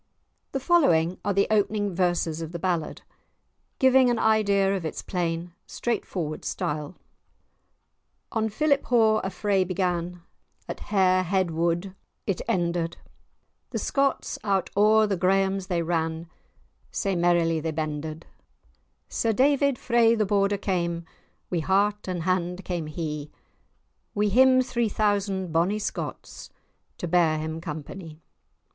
The following are the opening verses of the ballad, giving an idea of its plain, straightforward style:— On Philiphaugh a fray began, At Hairhead wood it ended; The Scots out o'er the Graemes they ran, Sae merrily they bended; Sir David frae the Border came, Wi' heart an' hand came he; Wi' him three thousand bonny Scots, To bear him company.